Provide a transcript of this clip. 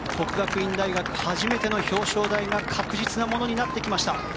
國學院大學、初めての表彰台が確実なものになってきました。